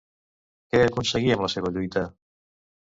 Què aconseguí amb la seva lluita?